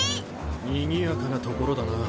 にぎやかな所だな。